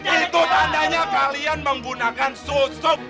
itu tandanya kalian menggunakan susu